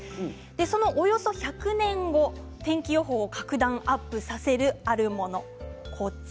そのおよそ１００年後天気予報を各段アップさせるあるもの